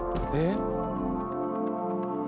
えっ？